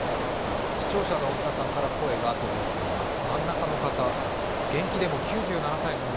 視聴者の皆さんから声が届いています。